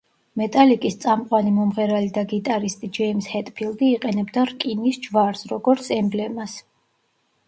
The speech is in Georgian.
მეტალიკის წამყვანი მომღერალი და გიტარისტი ჯეიმზ ჰეტფილდი იყენებდა რკინის ჯვარს როგორც ემბლემას.